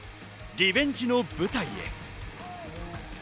リベンジの舞台へ。